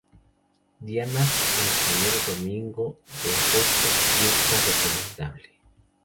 Dianas el primer domingo de agosto, fiesta recomendable.